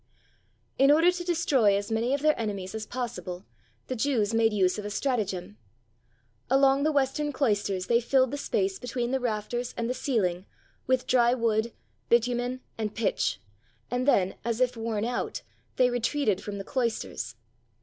] In order to destroy as many of their enemies as possible, the Jews made use of a stratagem. Along the western cloisters they filled the space between the rafters and the ceiling with dry wood, bitumen, and pitch, and then, as if worn out, they retreated from the' cloisters.